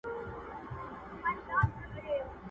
یوه د وصل شپه وي په قسمت را رسېدلې.!